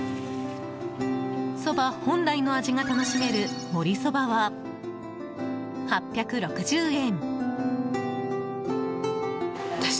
そば本来の味が楽しめるもりそばは、８６０円。